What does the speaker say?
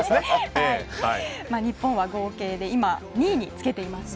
日本は合計で２位につけています。